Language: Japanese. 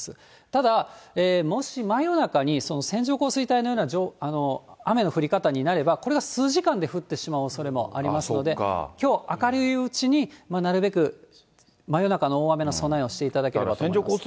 ただ、もし真夜中に線状降水帯のような雨の降り方になれば、これが数時間で降ってしまうおそれもありますので、きょう、明るいうちになるべく真夜中の大雨の備えをしていただければと思います。